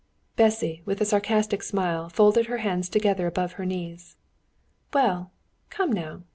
Bessy, with a sarcastic smile, folded her hands together above her knees. "Well, come now!